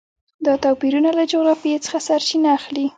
دا توپیرونه له جغرافیې څخه سرچینه اخلي.